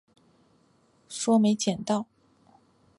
说没捡到